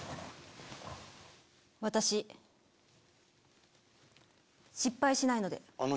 私失敗しないので。